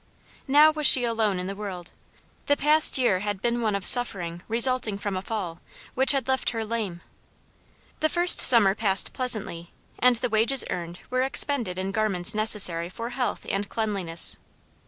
Now was she alone in the world. The past year had been one of suffering resulting from a fall, which had left her lame. The first summer passed pleasantly, and the wages earned were expended in garments necessary for health and cleanliness.